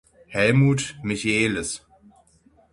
Helmut Michelis.